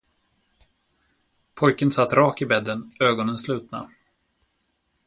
Pojken satt rak i bädden, ögonen slutna.